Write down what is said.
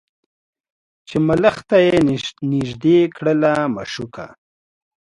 چي ملخ ته یې نیژدې کړله مشوکه